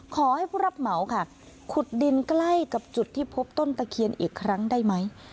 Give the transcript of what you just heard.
ขอให้ผู้รับเหมาค่ะขุดดินใกล้กับจุดที่พบต้นตะเคียนอีกครั้งได้ไหม